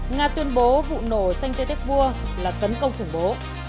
nga tuyên bố vụ nổ sanh tê tết vua là tấn công thủng bố